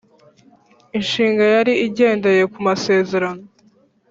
inshinga yari igendeye ku masezerano